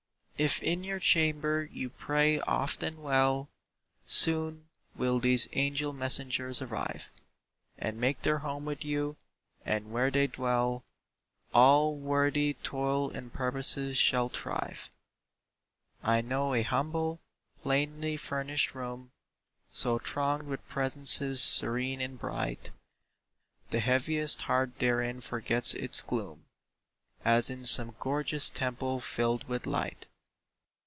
If in your chamber you pray oft and well, Soon will these angel messengers arrive And make their home with you, and where they dwell All worthy toil and purposes shall thrive. I know a humble, plainly furnished room, So thronged with presences serene and bright, The heaviest heart therein forgets its gloom As in some gorgeous temple filled with light.